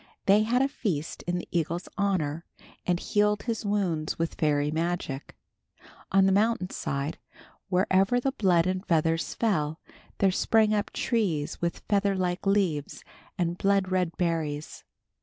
They had a feast in the eagle's honor, and healed his wounds with fairy magic. On the mountain side, wherever the blood and feathers fell, there sprang up trees with featherlike leaves and blood red berries.